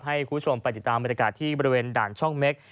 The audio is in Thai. ให้คุณผู้ชมไปติดตามบรรยากาศที่บริเวณด่านช่องเม็ก